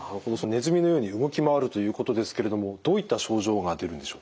ネズミのように動き回るということですけれどもどういった症状が出るんでしょうか？